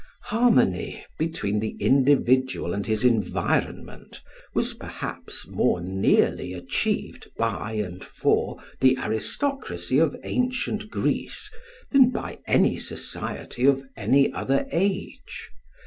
Harmony between the individual and his environment was perhaps more nearly achieved by and for the aristocracy of ancient Greece than by any society of any other age.